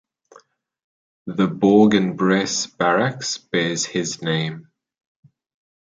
The Bourg-en-Bresse barracks bears his name.